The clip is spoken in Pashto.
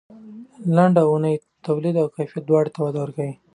لنډه اونۍ د تولید او کیفیت دواړو ته وده ورکوي.